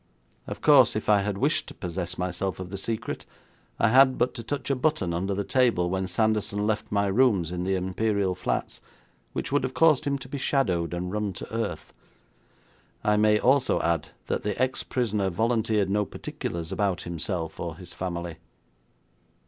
Of course, if I had wished to possess myself of the secret, I had but to touch a button under the table when Sanderson left my rooms in the Imperial Flats, which would have caused him to be shadowed and run to earth. I may also add that the ex prisoner volunteered no particulars about himself or his family.